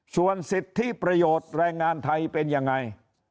ส่วนสิทธิประโยชน์แรงงานไทยเป็นยังไง